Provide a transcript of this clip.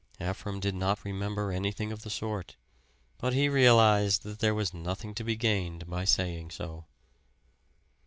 Ephraim did not remember anything of the sort, but he realized that there was nothing to be gained by saying so.